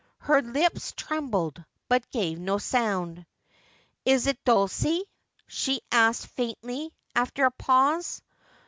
Her lips trembled, but gave no sound. ' Is it Dulcie '?' she asked faintly, after a pause.